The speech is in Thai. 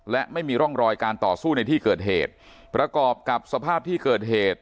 และไม่มีร่องรอยการต่อสู้ในที่เกิดเหตุประกอบกับสภาพที่เกิดเหตุ